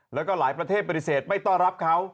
แล้วก็หลายประเทศปฏิเสธไม่ต้อนรับเขา